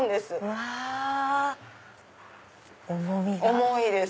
重いです。